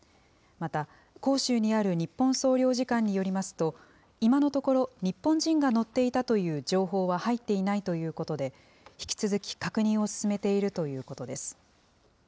また広州にある日本総領事館によりますと、今のところ、日本人が乗っていたという情報は入っていないということで、引き続き確認を進めているということです。